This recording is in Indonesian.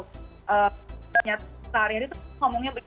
seharian itu ngomongnya begini